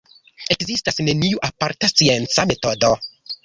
Ekzistas neniu aparta scienca metodo.